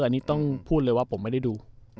อันนี้ต้องพูดเลยว่าผมไม่ได้ดู